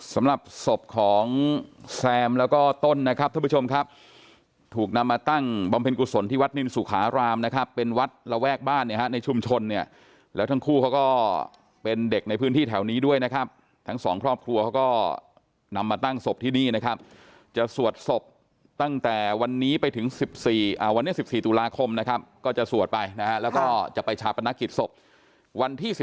สำหรับศพของแซมแล้วก็ต้นนะครับท่านผู้ชมครับถูกนำมาตั้งบำเพ็ญกุศลที่วัดนินสุขารามนะครับเป็นวัดระแวกบ้านเนี่ยฮะในชุมชนเนี่ยแล้วทั้งคู่เขาก็เป็นเด็กในพื้นที่แถวนี้ด้วยนะครับทั้งสองครอบครัวเขาก็นำมาตั้งศพที่นี่นะครับจะสวดศพตั้งแต่วันนี้ไปถึง๑๔วันนี้๑๔ตุลาคมนะครับก็จะสวดไปนะฮะแล้วก็จะไปชาปนกิจศพวันที่๑